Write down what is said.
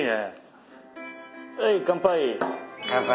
はい乾杯。